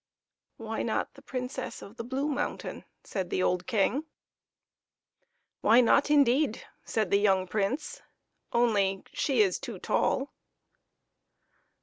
" Why not the Princess of the Blue Mountain ?" said the old King. " Why not, indeed ?" said the young Prince, " only she is too tall."